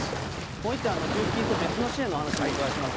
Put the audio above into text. もう一転、給付金と別の支援の話もお伺いします。